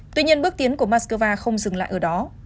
tuy nhiên bước tiến của moscow không dừng lại ở đó